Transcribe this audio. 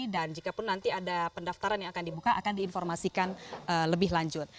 dan jikapun nanti ada pendaftaran yang akan dibuka akan diinformasikan lebih lanjut